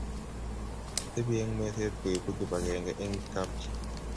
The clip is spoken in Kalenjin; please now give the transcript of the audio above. Ketepi eng meset koipu kipakenge eng kapchi